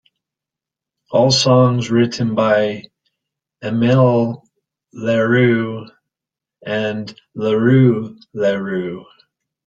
All songs written by Amel Larrieux and Laru Larrieux.